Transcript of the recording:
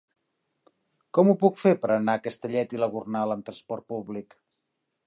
Com ho puc fer per anar a Castellet i la Gornal amb trasport públic?